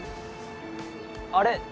あれ？